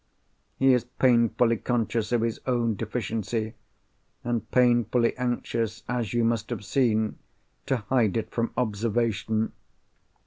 He is painfully conscious of his own deficiency, and painfully anxious, as you must have seen, to hide it from observation.